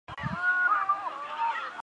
好像蛮多地方停电了